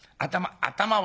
頭を。